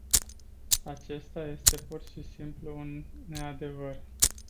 Acesta este pur și simplu un neadevăr.